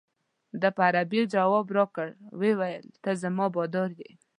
ده په عربي جواب راکړ ویل ته زما بادار یې.